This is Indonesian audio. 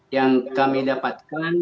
yang kami dapatkan memang